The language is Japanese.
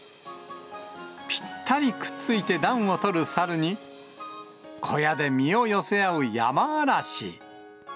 ぴったりくっついて暖をとる猿に、小屋で身を寄せ合うヤマアラシ。